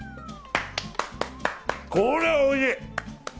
これはおいしい！